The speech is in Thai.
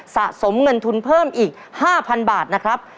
สะสมเงินทุนเพิ่มอีก๕๐๐๐บาทนะครับ